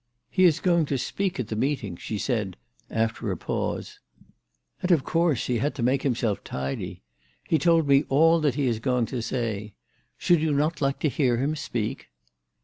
" He is going to speak at the meeting," she said after a pause. "And of course he 286 THE TELEGRAPH GIRL. had to make himself tidy. He told me all that he is going to say. Should you not like to hear him speak?"